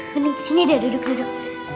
bening sini deh duduk duduk